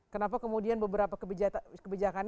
kenapa kemudian beberapa kebijakan